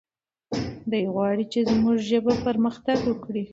دی غواړي چې زموږ ژبه پرمختګ وکړي.